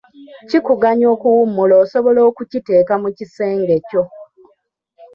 Kikuganya okuwummula osobola okukiteeka mu kisenge kyo.